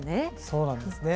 そうなんですね。